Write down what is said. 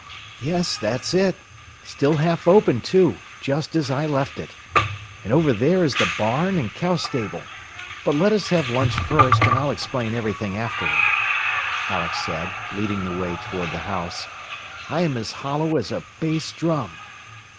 "Yes, that is it. Still half open, too just as I left it. And over there is the barn and cow stable. But let us have lunch first, and I'll explain everything afterward," Alex said, leading the way toward the house. "I am as hollow as a bass drum."